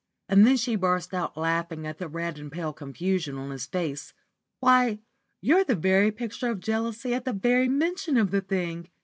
And then she burst out laughing at the red and pale confusion of his face. "Why, you're the very picture of jealousy at the very mention of the thing.